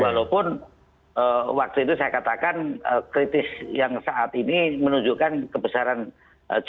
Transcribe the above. walaupun waktu itu saya katakan kritis yang saat ini menunjukkan kebesaran jokowi sebagai kepentingan